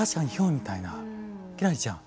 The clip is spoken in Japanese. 輝星ちゃん。